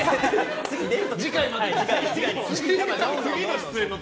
次回までに？